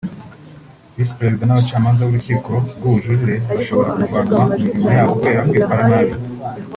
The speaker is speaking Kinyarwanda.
Visi Perezida n’abacamanza b’Urukiko rw’Ubujurire bashobora kuvanwa ku mirimo yabo kubera kwitwara nabi